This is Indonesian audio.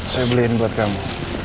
saya beliin buat kamu